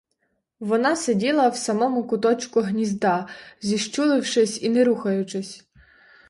Вона сиділа в самому куточку гнізда, зіщулившись і не рухаючись.